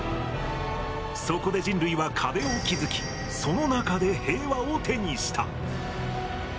そこで人類は壁を築きその中で平和を手にした。